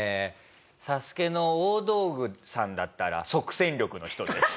『ＳＡＳＵＫＥ』の大道具さんだったら即戦力の人です。